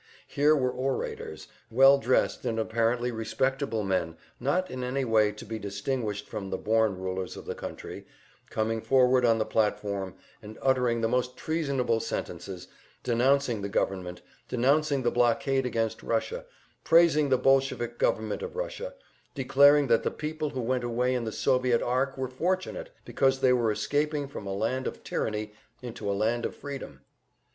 Here were orators, well dressed and apparently respectable men, not in any way to be distinguished from the born rulers of the country, coming forward on the platform and uttering the most treasonable sentences, denouncing the government, denouncing the blockade against Russia, praising the Bolshevik government of Russia, declaring that the people who went away in the "Soviet Ark" were fortunate, because they were escaping from a land of tyranny into a land of freedom.